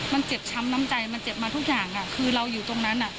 มันเจ็บช้ำน้ำใจมันเจ็บมาทุกอย่างคือเราอยู่ตรงนั้น